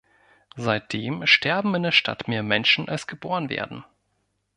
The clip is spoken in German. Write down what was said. Seitdem sterben in der Stadt mehr Menschen als geboren werden.